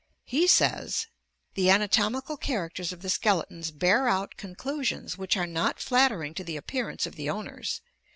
He says: "'The anatomical characters of the skeletons bear out conclu sions which are not flattering to the appearance of the owners.